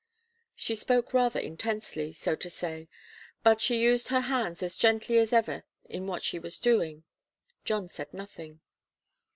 She spoke rather intensely, so to say, but she used her hands as gently as ever in what she was doing. John said nothing.